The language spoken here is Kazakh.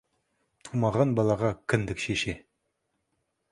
Тумаған балаға кіндік шеше.